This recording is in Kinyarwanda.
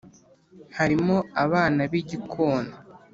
harimo abana bi gikona.